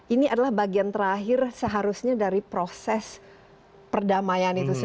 ini adalah bagian terakhir seharusnya dari proses perdamaian